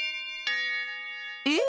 えっ？